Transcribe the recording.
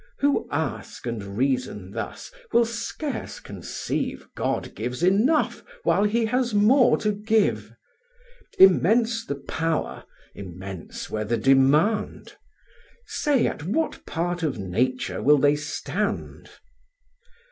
Who ask and reason thus, will scarce conceive God gives enough, while He has more to give: Immense the power, immense were the demand; Say, at what part of nature will they stand?